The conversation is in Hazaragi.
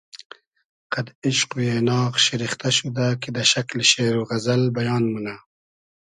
قئد ایشق و اېناغ شیرختۂ شودۂ کی دۂ شئکلی شېر و غئزئل بیان مونۂ